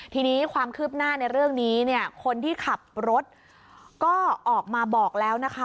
ทีนี้ความคืบหน้าในเรื่องนี้เนี่ยคนที่ขับรถก็ออกมาบอกแล้วนะคะ